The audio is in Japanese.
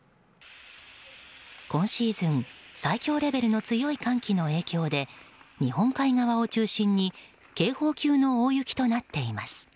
今シーズン最強レベルの強い寒気の影響で日本海側を中心に警報級の大雪となっています。